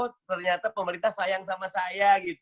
ternyata pemerintah sayang sama saya